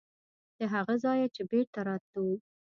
د هغه ځایه چې بېرته راتلو.